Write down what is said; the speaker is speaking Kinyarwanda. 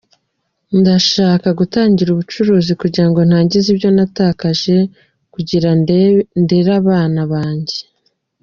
Ndashaka gutangira ubucuruzi kugira ngo ngaruze ibyo natakaje, kugira ndere abana banjye.